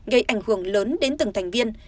gây ảnh hưởng lớn đến từng thành viên